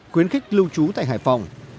khuyến khích lưu trú tại hải phòng